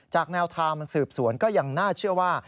แนวทางมันสืบสวนก็ยังน่าเชื่อว่า